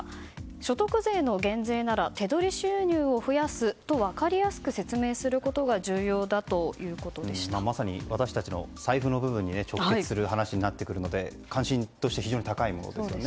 所属税の減税なら手取り収入を増やすと分かりやすく説明することがまさに私たちの財布の部分に直結する話になってくるので関心として非常に高いものですよね。